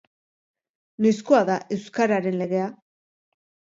Noizkoa da Euskararen Legea?